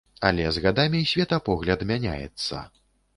Але з гадамі светапогляд мяняецца.